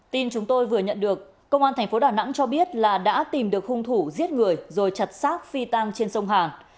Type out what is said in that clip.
tin chúng tôi vừa nhận được công an thành phố đà nẵng cho biết là đã tìm được hung thủ giết người rồi chặt xác phi tang trên sông hàn